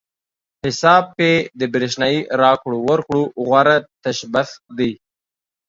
حساب پې د برېښنايي راکړو ورکړو غوره تشبث دی.